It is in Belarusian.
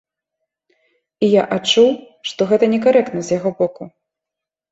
І я адчуў, што гэта некарэктна з яго боку.